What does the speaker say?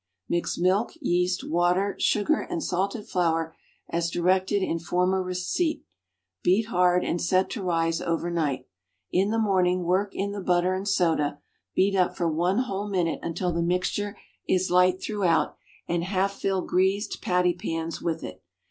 Mix milk, yeast, water, sugar and salted flour as directed in former receipt. Beat hard, and set to rise over night. In the morning work in the butter and soda, beat up for one whole minute until the mixture is light throughout, and half fill greased patty pans with it.